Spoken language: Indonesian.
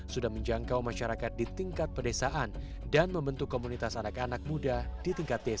dua ribu tujuh belas sudah menjangkau masyarakat di tingkat pedesaan dan membentuk komunitas anak anak muda di tingkat desa